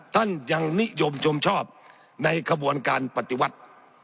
ท่านยังนิยมชมชอบในขบวนการปฏิวัติ